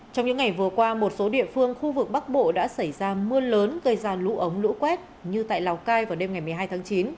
trong những ngày vừa qua một số địa phương khu vực bắc bộ đã xảy ra mưa lớn gây ra lũ ống lũ quét như tại lào cai vào đêm ngày một mươi hai tháng chín